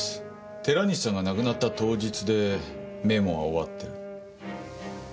寺西さんが亡くなった当日でメモは終わってる。